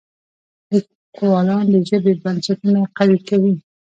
لیکوالان د ژبې بنسټونه قوي کوي.